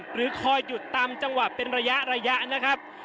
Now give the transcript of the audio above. หรือคอยหยุดตามจังหวะเป็นระยะนะครับ